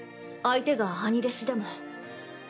相手が兄弟子でも。